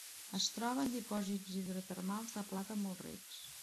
Es troba en dipòsits hidrotermals de plata molt rics.